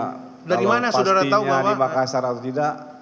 kalau pastinya di makassar atau tidak